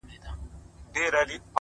• سیاه پوسي ده، قندهار نه دی،